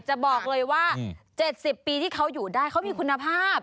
จะบอกเลยว่า๗๐ปีที่เขาอยู่ได้เขามีคุณภาพ